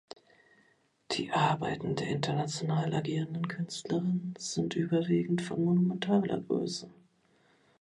Die Arbeiten der international agierenden Künstlerin sind überwiegend von monumentaler Größe.